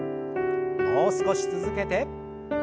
もう少し続けて。